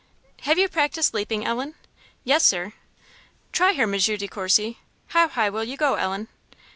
"Have you practiced leaping, Ellen?" "Yes, Sir." "Try her, M. De Courcy. How high will you go, Ellen?"